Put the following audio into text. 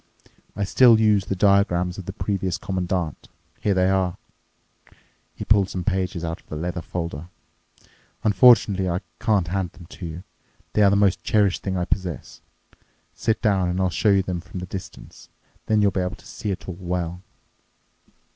I still use the diagrams of the previous Commandant. Here they are." He pulled some pages out of the leather folder. "Unfortunately I can't hand them to you. They are the most cherished thing I possess. Sit down, and I'll show you them from this distance. Then you'll be able to see it all well."